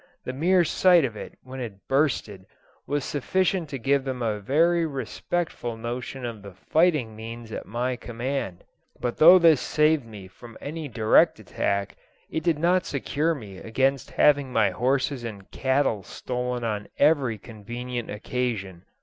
The mere sight of it, when it bursted, was sufficient to give them a very respectful notion of the fighting means at my command. But though this saved me from any direct attack, it did not secure me against having my horses and cattle stolen on every convenient occasion."